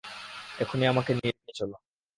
এখনি আমাকে নিয়ে চলো।